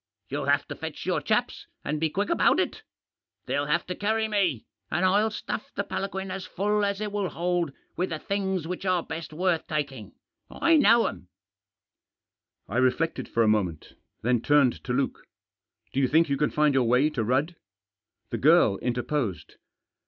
You'll have to fetch your chaps, and be quick about it f They'll have to carry me, and I'll stuff the palanquin as full as it will hold with the things which are best worth taking. I know 'em !" Digitized by 254 THE JOSS. I reflected for a moment. Then turned to Luke. " Do you think you can find your way to Rudd ?" The girl interposed.